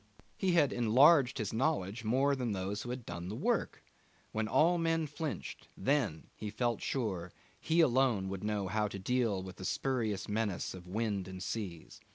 He had enlarged his knowledge more than those who had done the work. When all men flinched, then he felt sure he alone would know how to deal with the spurious menace of wind and seas.